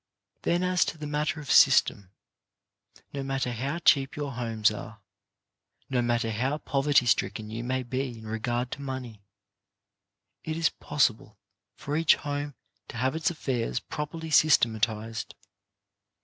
Then as to the matter of system. No matter how cheap your homes are, no matter how pov erty stricken you may be in regard to money, it is possible for each home to have its affairs properly systematized.